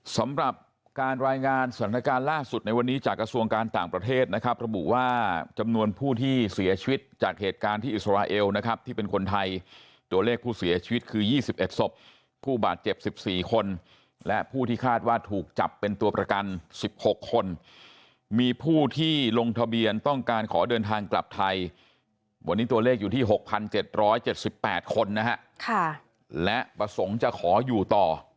สำหรับการรายงานสถานการณ์ล่าสุดในวันนี้จากกระทรวงการต่างประเทศนะครับระบุว่าจำนวนผู้ที่เสียชีวิตจากเหตุการณ์ที่อิสราเอลนะครับที่เป็นคนไทยตัวเลขผู้เสียชีวิตคือ๒๑ศพผู้บาดเจ็บ๑๔คนและผู้ที่คาดว่าถูกจับเป็นตัวประกัน๑๖คนมีผู้ที่ลงทะเบียนต้องการขอเดินทางกลับไทยวันนี้ตัวเลขอยู่ที่๖๗๗๘คนนะฮะและประสงค์จะขออยู่ต่อ